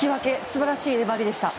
素晴らしい粘りでした。